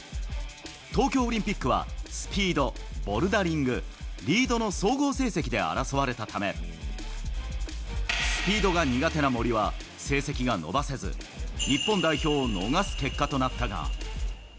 東京オリンピックはスピード、ボルダリング、リードの総合成績で争われたため、スピードが苦手な森は成績が伸ばせず、日本代表を逃す結果となったが。